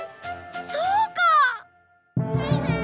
そうか！